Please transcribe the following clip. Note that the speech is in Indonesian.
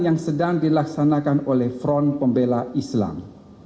yang sedang dilaksanakan oleh front pembela islam